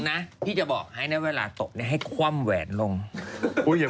สรุปคุณก็ยังอย่างเงี้ยวเขาตีตัวเองอย่างเงี้ยเหรอ